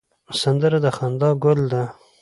سندره د خندا ګل ده